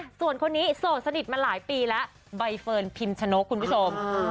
ส่วนคนนี้โสดสนิทมาหลายปีแล้วใบเฟิร์นพิมชนกคุณผู้ชม